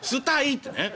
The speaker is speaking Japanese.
ってね